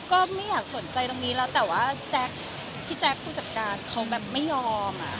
ก็ไม่อยากสนใจตรงนี้แล้วแต่ว่าพี่แจ๊คผู้จัดการเขาแบบไม่ยอมอ่ะ